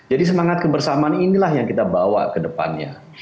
jadi semangat kebersamaan inilah yang kita bawa ke depannya